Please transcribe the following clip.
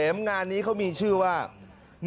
และภูมิเกศอีก๕มายละท่าน